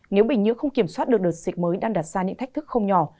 nếu bệnh nhiễu không kiểm soát được đợt dịch mới đang đặt ra những thách thức không nhỏ